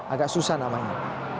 agak susah namanya